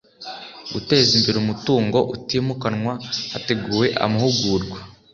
guteza imbere umutungo utimukanwa hateguwe amahugurwa